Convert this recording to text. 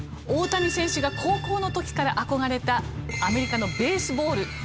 大谷選手が高校の時から憧れたアメリカのベースボール。